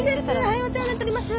はいお世話になっております。